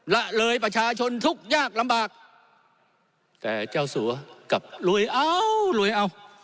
ละเลยประชาชนทุกข์ยากลำบากแต่เจ้าสัวกลับรวยเอารวยเอา